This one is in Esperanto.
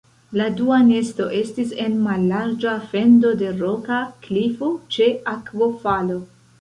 La dua nesto estis en mallarĝa fendo de roka klifo ĉe akvofalo.